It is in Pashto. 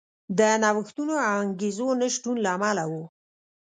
د نوښتونو او انګېزو نشتون له امله و.